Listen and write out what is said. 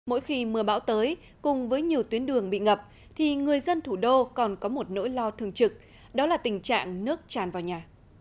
mỗi khi mưa bão tới cùng với nhiều tuyến đường bị ngập thì người dân thủ đô còn có một nỗi lo thường trực đó là tình trạng nước tràn vào nhà